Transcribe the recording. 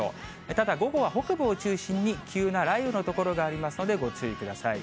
ただ、午後は北部を中心に急な雷雨の所がありますので、ご注意ください。